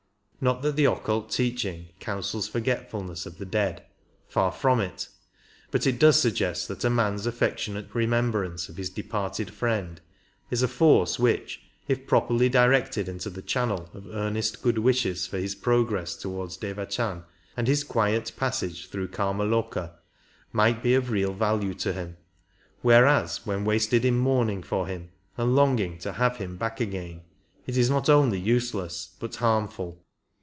Not that occult teaching counsels forgetfulness of the dead — far from it ; but it does suggest that a man's affectionate remembrance of his departed friend is a force which, if properly directed into the channel of earnest good wishes for his progress towards Devachan and his quiet passage through Kimaloka, might be of real value to him, whereas when wasted in mourning for him and longing to have him back again it is not only useless but harmful.